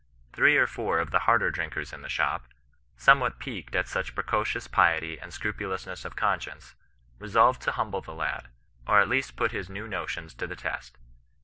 Three or four of the harder drinkers in the shop, somewhat piqued at such precocious piety and scrupulousness of conscience, re solved to humble the lad, or at least put his new notions to the test.